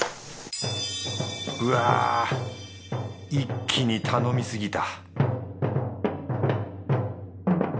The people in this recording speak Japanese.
うわ一気に頼みすぎた